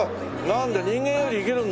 なんだ人間より生きるんだ。